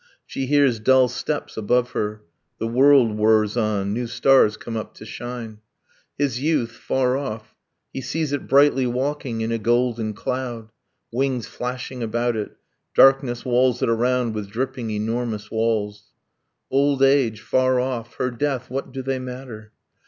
She hears dull steps above her. The world whirs on. ... New stars come up to shine. His youth far off he sees it brightly walking In a golden cloud. ... Wings flashing about it. ... Darkness Walls it around with dripping enormous walls. Old age far off her death what do they matter?